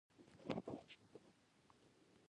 تور کود د ریښو لپاره دی.